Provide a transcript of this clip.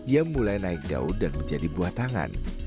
yang mulai naik daun dan menjadi buah tangan